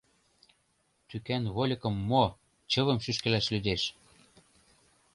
Тӱкан вольыкым мо — чывым шӱшкылаш лӱдеш.